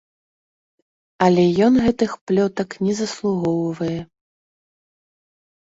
Але ён гэтых плётак не заслугоўвае.